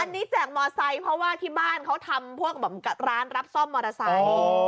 อันนี้แจกมอไซค์เพราะว่าที่บ้านเขาทำพวกร้านรับซ่อมมอเตอร์ไซค์